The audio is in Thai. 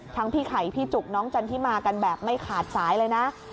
พี่ไข่พี่จุกน้องจันทิมากันแบบไม่ขาดสายเลยนะ